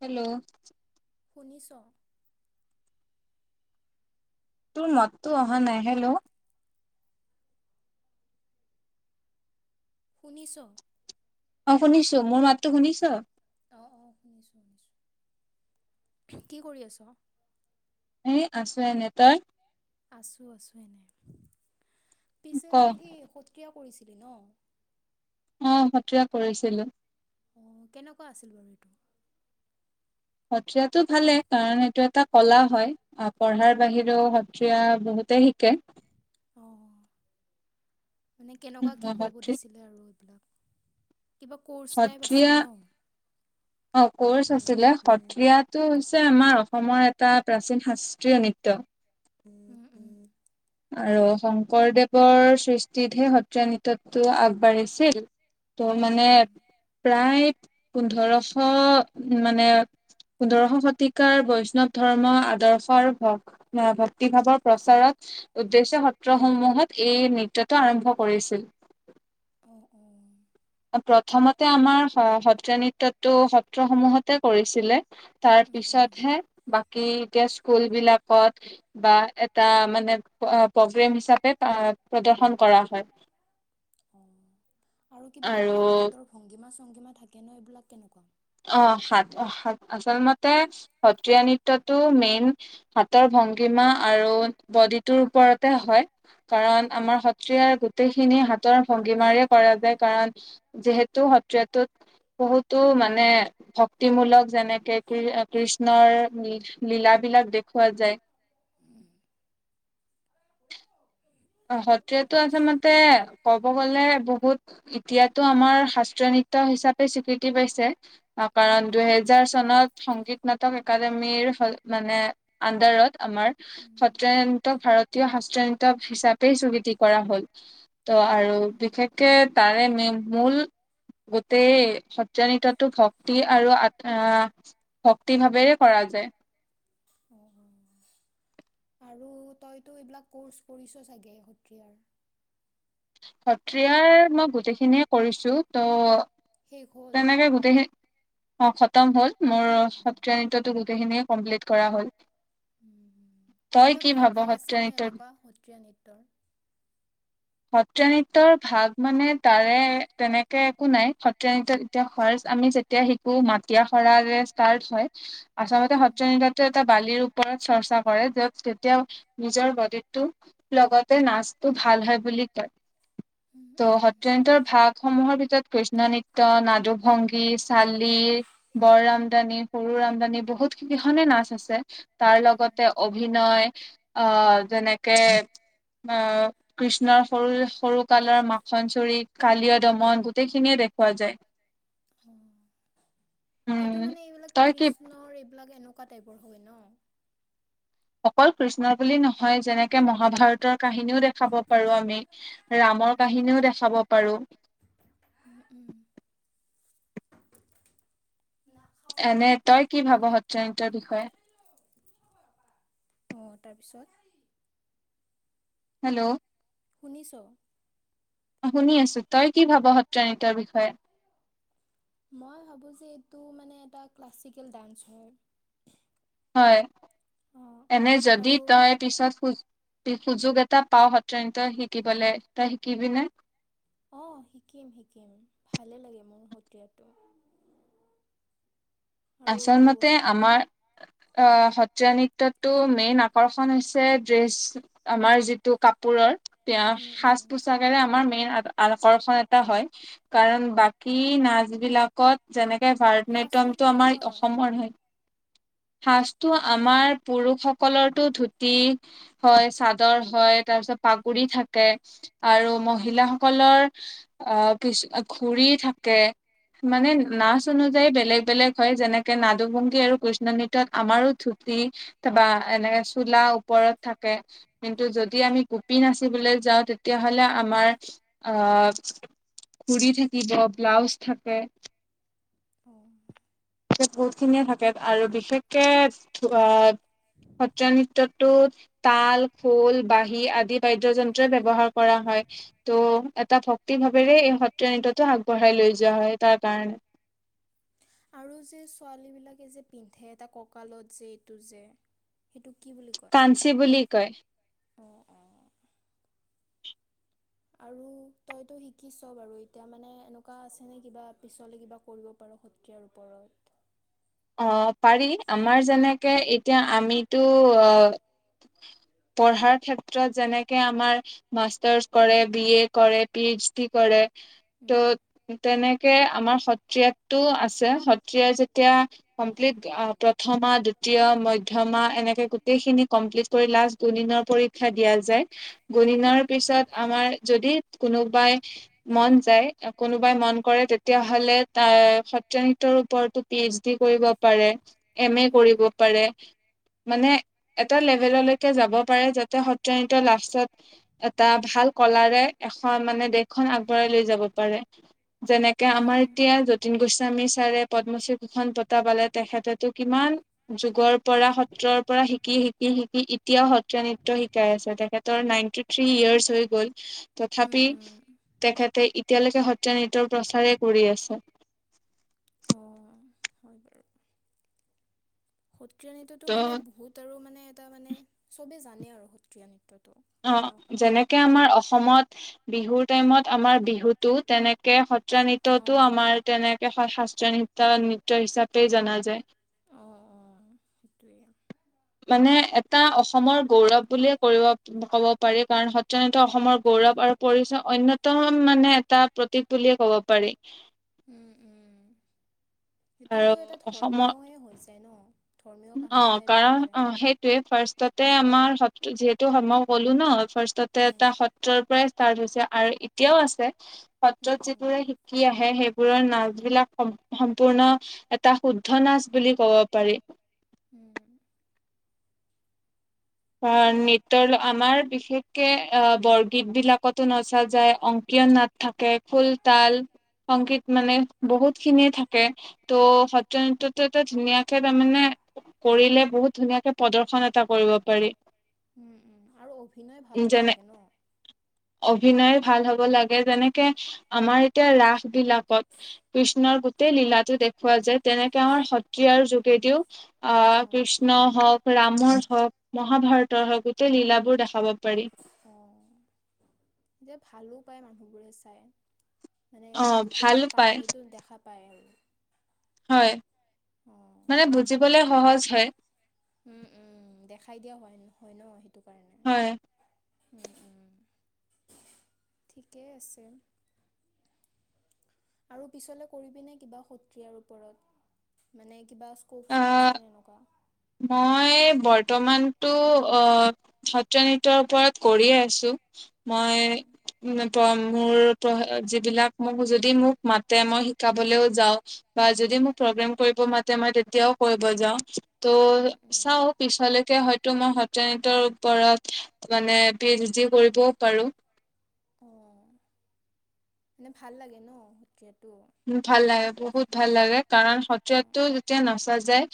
Hello. ঊনিশ। তোৰ মতটো অহা নাই হেল্ল'। শুনিছ। অ শুনিছো মোৰ মাতটো শুনিছ। অ অ শুনিছো কি কৰি আছ। এ আছো এনে তই। আছো আছো পিছে ক তই সি সত্ৰীয়া। কৰিছিলি ন। অ সত্ৰীয়া কৰিছিলো। অঁ কেনেকুৱা আছিল বাৰু এইটো। সত্ৰীয়াাতটো ভালেই কাৰণ এইটো এটা কলা হয় আহ উম পঢ়াৰ উম বাহিৰেও সত্ৰীয়া। বহুতে হিকে। অ মানে কেনেকুৱা কি কৰিব সত্ৰীয়া দিছিলে আৰু এইবিলাক। কৰ্ষ টাইপ আছিল সত্ৰীয়া ন। অ কৰ্চ আছিলে সত্ৰিয়টো হৈছে আমাৰ। অসমৰ এটা প্ৰাচীন শাস্ত্ৰীয় নৃত্য। উম উম। আৰু শংকৰদেৱৰ সৃষ্টিতহে সত্ৰীয়া নৃত্যতটো আগবাঢ়িছিল। ত উম মানে উম প্ৰায় পোন্ধৰশ মানে। পোন্ধৰশ শতিকাৰ বৈষ্ণৱ ধৰ্ম আদৰ্শৰ ভ ভক্তিভাৱৰ প্ৰচাৰত। উদ্দেশ্য সত্ৰসমূহত এই নৃত্যটো আৰম্ভ কৰিছিল। অঁ অঁ। প্ৰথমতে আমাৰ স সত্ৰীয়া নৃত্যটো সত্ৰসমূহতে কৰিছিলে। তাৰ উম উম পিছতহে বাকী। স্কুল বিলাকত বা এটা মানে প্ৰগ্ৰেম হিচাপে প্ৰগ্ৰেম কৰা হয়। [inaudible] অ আৰু কিবা এইবিলাক আৰু হাতৰ ভংগীমা চংগীমা থাকে ন এইবিলাক কেনেকুৱা? অ হাত আচল মতে সত্ৰীয়া নৃত্যটো মেইন হাতৰ ভ ভংগীমা আৰু বডিটোৰ ওপৰতে হয়। কাৰণ উম আমাৰ সত্ৰিয়াৰ গোটেইখিনি হাতৰ ভংগীমাৰেই কৰা যায় কাৰণ। যিহে তু সত্ৰীয়া টোত বহুতো মানে ভক্তিমূলক যেনেকে কৃষ্ণৰ লীলাবিলাক দেখওুৱা যায়। অ সত্ৰীয়াতটো আচলতে ক'ব গলে বহুত এতিয়াতো আমাৰ শাস্ত্ৰীয় নৃত্য হিচাপে স্বীকৃতি পাইছে। অ কাৰণ দুহেজাৰ চনত সংগীত নাটক একাডেমীৰ মানে আন্ডাৰত, আমাৰ উম, সত্ৰায়ন্ত ভাৰতীয় হস্ৰায়ন্ত হিচাপে গোটেই সকৃতি কৰা হল ত আৰু অ', বিশেষকে তাৰে মূল গোটেই সত্ৰা নৃত্যটো ভক্তি আৰু আহ ভক্তি ভাৱেৰে কৰা যায়। অ', অ'। আৰু তইতো এইবিলাক কৰ্চ কৰিছ চাগে সত্ৰিয়াৰ? সত্ৰিয়াৰ মই গোটেইখিনিয়ে কৰিছো ত' শেষ হ'ল? তেনেকে গোটেই খিনি অ খতম হ'ল মোৰ সত্ৰীয়া নৃত্যটো গোটেইখিনিয়ে কমপ্লিট কৰা হ'ল। তই কিবা কি ভাগ ভাব ভাগ সত্ৰীয়া আছিল নে নৃত্যৰ এনেকুৱা সত্ৰীয়া নৃত্যৰ? সত্ৰীয়া নৃত্যৰ ভাগ মানে তাৰে তেনেকে একো নাই স ত্ৰীয়া নৃত্য তেতিয়া ফাৰ্ষ্ট আমি যেতিয়া শিকো মাটিয়া সৰাৰে ষ্টাৰট হয়। আচলতে সত্ৰীয়া নৃত্যটো এটা বালিৰ ওপ ওপৰত চৰ্চা কৰে, য'ত তেতিয়াও নিজৰ বডিটো লগতে নাচটো ভাল হয় বুলি কয়। উম, উম। ত' উম। সত্ৰীয়া নৃত্যৰ ভাগসমূহৰ ভিতৰত কৃষ্ণ নৃ ত্য, নাদুভংগী, চালি, বৰ আমদানি, সৰু আমদানি বহুত কিখনে নাচ আছে তাৰ লগতে অভিনয় অ যেনে কে কৃষ্ণ নৰ সৰু সৰু কালৰ মাখন চৰি, কালিয় দমন গোটেই খিনিয়ে দেখ সেইটো উম মানে এইবিলাক তই কি কৃষ্ণৰ এইবিলাক এনেকুৱা টাইপৰ হয় ন? অকল কৃষ্ণ বুলি নহয়, যেনেকে মহাভাৰতৰ কাহিনীও দেখাব পাৰো আমি ৰামৰ উম, কাহিনীও দেখাব পাৰো। উম উম। এনে তই কি ভাব সত্ৰীয়া নৃত্যৰ বিষয়ে? অঁ তাৰপিছত হেল্ল'! শুনিছো। শুনি আছো। তই কি ভাব সত্ৰীয়া নৃত্যৰ বিষয়ে? মই ভাবো যে এইটো মানে এটা ক্লাছিকেল ডান্স হয়। হয় অ এনে যদি আৰু তই পিছত সু সুযোগ এটা পাও সত্ৰীয়া নৃত্য শিকিবলে, তই শিকিবিনে? অহ শিকিম শিকিম ভালে লাগে মোৰ সত্ৰীয়াটো। আৰু আচল মতে আমাৰ অ সত্ৰীয়া নৃত্যটো মেইন আকৰ্ষণ হৈছে ড্ৰেছ আমাৰ যিটো কাপোৰৰ। এতিয়া উম উম সাজ পোছাকেৰে আমাৰ মেইন আকৰ্ষণ এটা হয় কাৰণ বাকী নাচ বিলাকত যেনেকে ভাৰত সাজটো নাট্যমটো আমাৰ কেনেকুৱা হয়? অসমৰ হে। [inaudible] ফাৰ্ষ্টটো আমাৰ পুৰুষ সকলৰতো ধুতি হয় চাদৰ হয় তাৰ পিছত পাগুৰি থাকে। আৰু উম। মহিলাসকলৰ আহ পিছ ঘুৰি থাকে। মানে উম, উম। নাচ অনুযায়ী বেলেগ বেলেগ হয়। যেনেকে নাদুভংগী আৰু কৃষ্ণ নৃত্যত আমাৰো ধুতি ত বা এনেকে চোলা ওপৰত ঘৰত থাকে কিন্তু উম। যদি আমি বিহু নাচিবলৈ যাওঁ তেতিয়াহলে আমাৰ আহ উৰি থাকিব ব্লাউজ থাকে। অ বহুতখিনিয়ে থাকে আৰু বিশেষকে ধ সত্ৰীয়া নৃত্যটোত তাল, খোল, বাঁহী আদি বাদ্যযন্ত্ৰই ব্যৱহাৰ কৰা হয়। ত' এটা ভক্তি ভাৱেৰে এই সত্ৰীয়া নৃত্যটো আগবঢ়াই লৈ যোৱা হয় তাৰ কাৰণে। [inaudible] আৰু যে ছোৱালী বিলাকে যে পিন্ধে এটা ককালত যে এইটো যে সেইটো কি বুলি কাঞ্চী বুলি কয় অ অ আৰু তইতো শিকিছ বাৰু এতিয়া মানে এনেকুৱা আছে নে কিবা পিছলে কিবা কৰিব পাৰি প সত্ৰীয়াৰ ওপৰত অ পাৰি আমাৰ যেনেকে এতিয়া আমিতো আহ হয় পঢ়াৰ ক্ষেত্ৰত যেনেকে আমাৰ মাষ্টাৰ্চ কৰে বি এ কৰে পি এইচ ডি কৰে উম। ত' তেনেকে আমাৰ সত্ৰীয়াটো আছে সত্ৰীয়া যেতিয়া কমপ্লিট প্ৰথমা দ্বিতীয় মৈধ্যমা এনেকে গোটেইখিনি কমপ্লিট কৰি লাষ্ট দুদিন পৰীক্ষা দিয়া যায় উম, গুৰিনৰ পিছত আমাৰ যদি কোনোবাই মন যায় কোনোবাই মন কৰে তেতিয়াহলে আহ সত্ৰীয়া নৃত্য ওপৰতো পি এইচ ডি কৰিব পাৰে এম এ উম, কৰিব পাৰে মানে এটা লেভেললৈকে যাব পাৰে যাতে সত্ৰীয়া নৃত্যত লাষ্টত এটা ভাল কলাৰে এখন মানে দেশখন আগবঢ়াই লৈ যাব পাৰে। যেনেকে আমাৰ অ'। এতিয়া যতীন গোস্বামী ছাৰে পদ্মশ্ৰী দুখন বটা পালে তেখেততে কিমান যুগৰ পৰা সত্ৰৰ পৰা শিকি শিকি শিকি এতিয়াও সত্ৰ সত্ৰীয়া নৃত্য শিকাই আছে তেখেতৰ নাইনটিথ্ৰী ইয়াৰ্চ হৈ গ'ল উম, তথাপি উম, তেখেতে এতিয়ালৈকে সত্ৰীয়া নৃত্যৰ প্ৰচাৰেই কৰি আছে। অ', হয় প সত্ৰীয়া নৃত্যটো ত' মানে বহুত আৰু মানে এটা মানে চবেই জানে আৰু সত্ৰীয়া নৃত্যত অঁ যেনেকে আমাৰ অসমত বিহুৰ টাইমত আমাৰ বিহু বি তেনেকে সত্ৰ নো অ'। আমাৰ তেনেকে ন নৃত নৃত্য হিচাপে জনা যায় অঁ অঁ সেইটোৱেই মানে এটা অসমৰ গৌৰৱ বুলিয়ে কৰিব ক'ব পাৰি কাৰণ সত নত অসমৰ গৌৰৱ আৰু পৰিচয় অয়তম মানে এটা প্ৰতীক বুলিয়ে কব পাৰি উম উম। আৰু সেইটোতো এটা অসমৰ ধৰ্মীয়ে হৈ যায় ন ধৰ্মীয় কাহানী টাইপে হৈ যায়। ফাৰ্ষতে আমাৰ সত যিহেতু মই ক'লো ন ফাৰ্ষ্টতে উম এটা সত্ৰৰ পৰাই। ষ্টাৰ্ট হৈছে আৰু এতিয়াও আছে উম সত্ৰত উম যিবোৰে শিকি আহঁ। সেইবোৰৰ নচ বিলাক। পূৰ্ণ এটা শুদ্ধ নাচ বুলি ক'ব পাৰি। উম। অঁ নৃত্য আমাৰ বিশেষকে আহ বৰগীত বিলাকতো নচা যায় অংকিত। ও নাট থাকে খুল তাল সংগীত মানে বহুত খিনিয়ে থাকে ত' সত্যনৃত্য নৃত্য টো এটা ধুনাকে তাৰমানে কৰিলে বহুত ধুনীয়াকে প্ৰদৰ্শন এটা কৰিব। পাৰি উম উম আৰু অভিনয় উম, ভাল হ'ব যেনে লাগে ন। অভিনয় ভাল হ'ব লাগে যেনেকে আমাৰ এতিয়া ৰাস বিলাকত কৃষ্ণৰ গোটেই লীলাটো। দেখুওঁ যায় তেনেকে আমাৰ সত্ৰিয়াৰ যোগেদিওঁ। অ অঁ কৃষ্ণ হওঁক ৰামৰ হওঁক মহাভাৰতৰ হওঁক গোটেই লীলাবোৰ দেখা পাব। অঁ যে ভালো পায় মানুহবোৰে চাই। মানে অ' গোটেই ভাল মানে পায় কাহানীটো দেখা পায় আৰু। হয় অ মানে বুজিবলে সহজ হয়। উম উম দেখাই দিয়া হয় হয় ন সেইটো কাৰণে। হয়। ঠিকেই আছে। আৰু পিছলে কৰিবিনে কিবা সত্ৰিয়াৰ ওপৰত মানে। কিবা স্ক'প শ্ব'প আহ আছেনে এনেকুৱা। মই বৰ্তমানতো অঁ সত্য নৃত্যৰ ওপৰত কৰিয়ে আছো। মই উম যিমান পাৰিম। মোৰ যিবিলাক মোক যদি মোক মাতে মই শিকাবলৈও যাওঁ। বা যদি মোক প্ৰ কৰিব মা মই তেতিয়াও কৰিব যাওঁ। ত উম উম চাও পিছাল ক। মই সত নৃত্যৰ ওপৰত মানে পি এইচ ডি কৰিবও পাৰো। অঁ মানে ভাল লাগে ন। উ ভাল লাগে বহুত ভাল লাগে কাৰণ সত্ৰীয়াটো যেতিয়া নাচা যায়।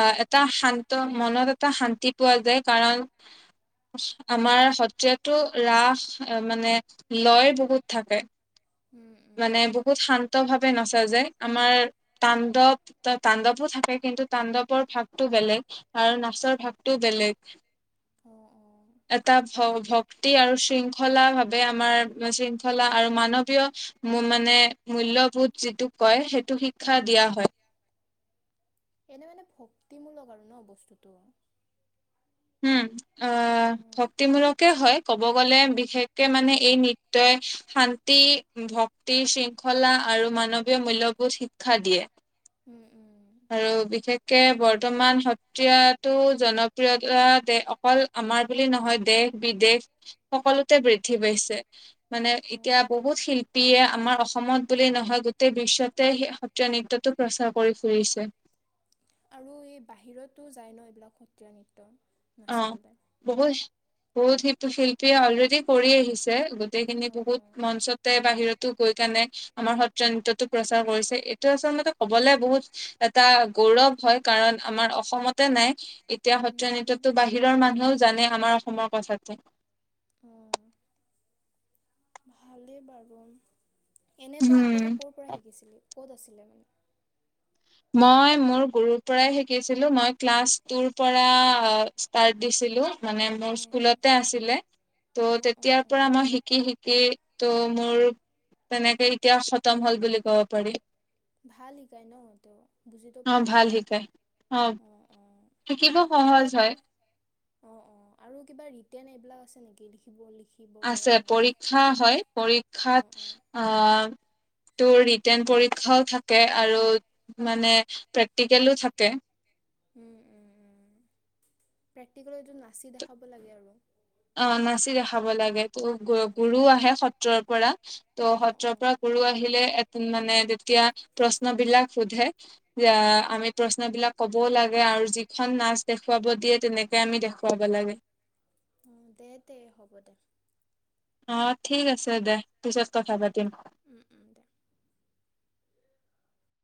আহ এটা শান্ত মনত এটা শান্তি পোৱা যায় কাৰণ। আমাৰ সত্ৰীয়াটো ৰাস মানে লয় বহুত থাকে। উম মানে উম বহুত শান্ত ভাৱে নচা যায় আমাৰ তাণ্ডৱ তাণ্ডৱো থাকে কি। কিন্তু তাণ্ডৱৰ ভাগতটো বেলেগ আৰু নাচৰ ভাগটো বেলেগ। অ অ এটা ভ। ভক্তি আৰু শৃংখলা ভাৱে আমাৰ শৃংখলা আৰু মানৱীয়। মানে মূল্যয়বোধ যিটো কয় সেইটো শিক্ষা উম দিয়া উম হয়। এনে মানে ভক্তিমূলক আৰু ন বস্তুটো। উম আহ উম ভক্তিমূলকে হয়। ক'ব গ'লে বিশেষকে মানে এই নৃত্যই শান্তি ভক্তি শৃংখলা। আৰু মানৱীয় মূল্যবোধ শিক্ষা দিয়ে। উম উম। আৰু বিশেষকে বৰ্তমান সত্ৰিয়াতটো জনপ্ৰিয়তা দে অকল। আমাৰ বুলি নহয় দেশ -বিদেশ সকলোতে বৃদ্ধি পাইছে। মানে অ এতিয়া অ বহুত শিল্পীয়ে আমাৰ অসমত বুলি নহয় গোটেই বিশ্বতে সত্ৰীয়া নৃত্যটো প্ৰচাৰ কৰি ফুুলিছে। আৰু এই বাহিৰতো যায় ন এইবিলাক সত্ৰীয়া নৃত্য। অ নাচিবলৈ বহুত বহুত শিল শিল্পীয়ে অলৰেডি কৰি আহিছে। গোটেইখিনি অ বহুত অ মঞ্চতে বাহিৰত গৈ কেনে আমাৰ সত্ৰ নৃত্যটো প্ৰচাৰ কৰিছে, এইটো আচল মতে কবলে বহুত এটা গৌৰৱ হয় কাৰণ আমাৰ অসমতে নাই এতিয়া উম সত্ৰীয় উম নৃত্য মানুহেও জানে আমাৰ অসমৰ কথাটো। অহ ভালে পাৰ্ব। এনে তই উম আগতে ক'ৰ পৰা শিকিছিলি ক'ত আছিলে মানে? মই মোৰ গুৰুৰ পৰা শিকি চিলো মই ক্লাছ টো পৰা ইষ্টাৰ্ত দিছিলোঁ। মানে মোৰ অঁ স্কুলতে আছিলে, ত' অঁ অঁ তেতিয়াৰ পৰা অঁ মই শিকি শিকি ত' মোৰ, তেনেকে এতিয়া খতম হ'ল বুলি ক'ব পাৰি। ভাল শিকাই ন তেওঁ বুজিতো অ পাও ভাল মানে। শিকায় অ অ শিকিব আৰু সহজ হয় অ অ আৰু কিবা ৰিটন এই আছে নেকি লিখিব লিখিব। পৰা আছে এনেকুৱা পৰীক্ষা হয়, অঁ পৰীক্ষাত অঁ আঁ তো ৰিটেন পৰীক্ষাও থাকে আৰু মানে প্ৰেক্টিকেলো থাকে। উম উম উম প্ৰেক্টিকেল এইটো নাচি দেখাব লাগে আৰু অ নাচি দেখাব লাগে, ত গ গুৰুও উম আহে সত্ৰৰ পৰা। ত অঁ সত্ৰৰ অঁ পৰা গুৰু আহিলে মানে তেতিয়া প্ৰশ্ন বিলাক সোধে। যে আমি প্ৰশ্ন বিলাক কবও লাগে আৰু যিখন নাচ দেখুৱাব দিয়ে তেনেকে আমি দেখুৱাব লা গে। উম দে দে হ'ব দে। অ ঠিক আছে দে, অঁ পিছত অঁ কথা দে পাতিম। দে উম, উম, দে